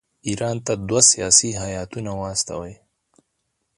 ایران ته دوه سیاسي هیاتونه واستوي.